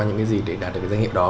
những cái gì để đạt được danh hiệu đó